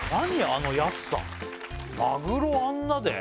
あの安さマグロあんなで？